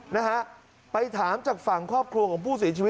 นะฮะไปถามจากฝั่งครอบครัวของผู้เสียชีวิต